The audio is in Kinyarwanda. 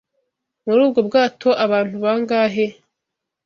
Muri ubwo bwato abantu bangahe?